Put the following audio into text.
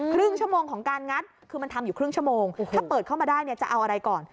ครึ่งชั่วโมงของการงัดคือมันทำอยู่ครึ่งชั่วโมงถ้าเปิดเข้ามาได้เนี่ยจะเอาอะไรก่อน